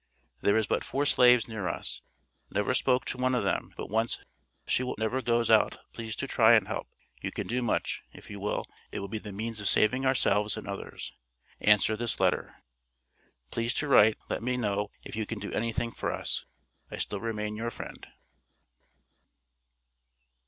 There is but 4 slaves near us, never spoke to one of them but wonce she never gos out pleas to tri and help, you can do much if you will it will be the means of saving ourselves and others. Ancer this letter. Pleas to writ let me no if you can do anything for us. I still remain your friend.